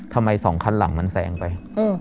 ทำไมสองคันหลังมันแสงไป